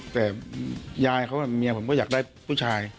แต่ยายเขาเมียผมก็อยากได้ผู้ชาย